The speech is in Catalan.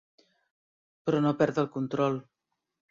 Però no perd el control.